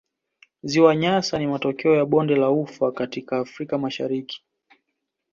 Ziwa Nyasa ni matokeo ya bonde la ufa katika Afrika ya Mashariki